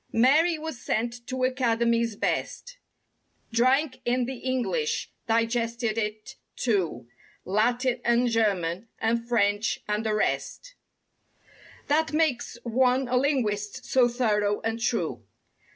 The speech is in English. Mary was sent to academies—best— Drank in the English—digested it, too— Latin and German and French and the rest That makes one a linguist so thorough and true.